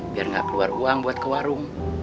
biar nggak keluar uang buat ke warung